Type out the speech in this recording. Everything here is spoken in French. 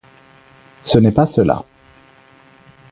Ce n'est pas cela.